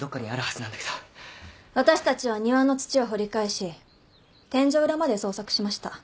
私たちは庭の土を掘り返し天井裏まで捜索しました。